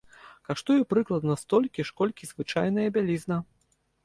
Каштуе прыкладна столькі ж, колькі звычайная бялізна.